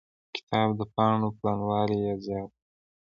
کتاب د پاڼو پلنوالی يې زيات و.